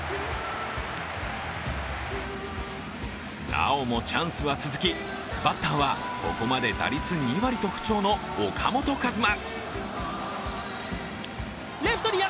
なおもチャンスは続きバッターはここまで打率２割と不調の岡本和真。